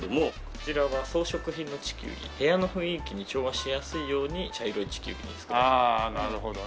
こちらは装飾品の地球儀部屋の雰囲気に調和しやすいように茶色い地球儀なんですけど。